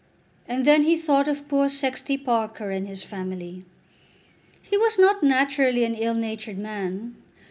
And then he thought of poor Sexty Parker and his family. He was not naturally an ill natured man.